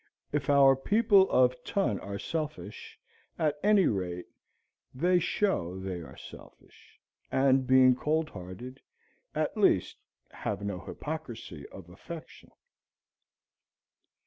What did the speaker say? If our people of ton are selfish, at any rate they show they are selfish; and, being cold hearted, at least have no hypocrisy of affection.